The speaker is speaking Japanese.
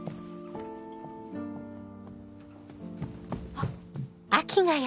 あっ。